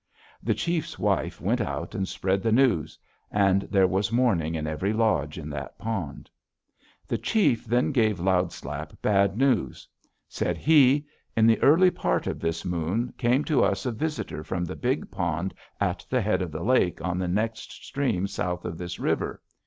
The chief's wife went out and spread the news, and there was mourning in every lodge in that pond. "The chief then gave Loud Slap bad news. Said he: 'In the early part of this moon came to us a visitor from the big pond at the head of the lake on the next stream south of this river.'